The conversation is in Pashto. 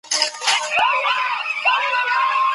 توپخونې د احمد شاه ابدالي په جګړو کي څه رول درلود؟